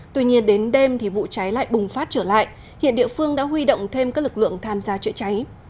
tuy nhiên đến đêm thì vụ cháy lại bùng phát trở lại hiện địa phương đã huy động thêm các lực lượng tham gia chữa cháy